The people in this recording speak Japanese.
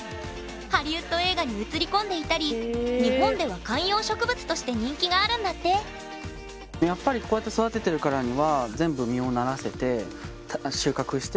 ハリウッド映画に映り込んでいたり日本では観葉植物として人気があるんだってやっぱりこうやって確かに。